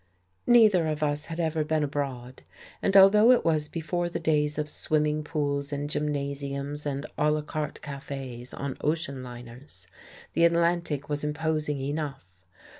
Neither of us had ever been abroad. And although it was before the days of swimming pools and gymnasiums and a la carte cafes on ocean liners, the Atlantic was imposing enough.